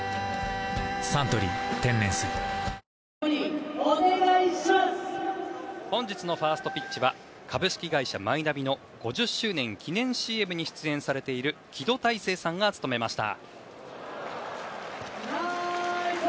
「サントリー天然水」本日のファーストピッチは株式会社マイナビの５０周年記念ＣＭに出演されている木戸大聖さんが務めました。